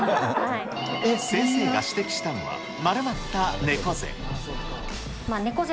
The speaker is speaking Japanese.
先生が指摘したのは、丸まった猫背。